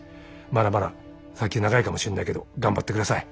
まだまだ先は長いかもしんないけど頑張ってください。